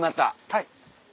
はい。